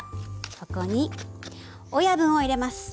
そこに親分を入れます。